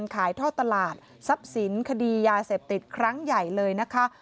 ขายท่อตลาดทรัพย์สินคดียาเสพติดครั้งใหญ่เลยนะคะ